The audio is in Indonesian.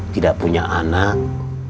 tidak punya anak